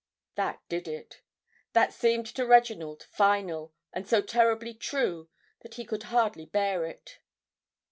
That did it. That seemed to Reginald final, and so terribly true that he could hardly bear it.